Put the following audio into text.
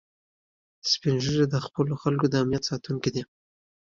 سپین ږیری د خپلو خلکو د امنیت ساتونکي دي